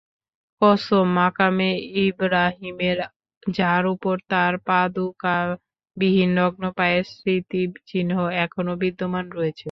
কসম মাকামে ইবরাহীমের, যার উপর তার পাদুকাবিহীন নগ্ন পায়ের স্মৃতিচিহ্ন এখনও বিদ্যমান রয়েছে।